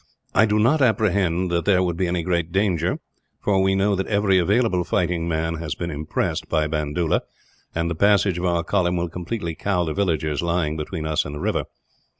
I do not apprehend that there would be any great danger, for we know that every available fighting man has been impressed, by Bandoola; and the passage of our column will completely cow the villagers lying between us and the river.